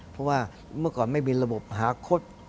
เพราะว่าเมื่อก่อนไม่มีระบบหาคด